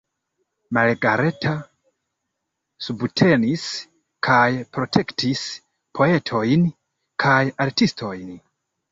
Margareta subtenis kaj protektis poetojn kaj artistojn.